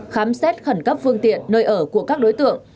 khám xét khẩn cấp phương tiện nơi ở của các đối tượng